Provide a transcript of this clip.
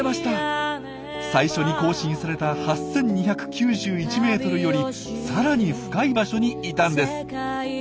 最初に更新された８２９１ｍよりさらに深い場所にいたんです。